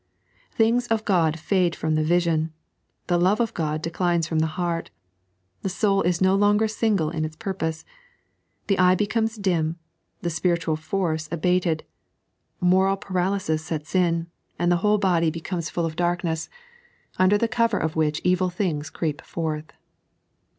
Things of Qod fade from the vision, the love of God declines from the heart, the soul is no longer single in its purpose, the eye becomes dim, the spiritual force abated, moral paralysis sets in, and the whole body becomes full of 3.n.iized by Google The Two Mastbbs. 141 darkneBs, under the cover of which evil things creep forth.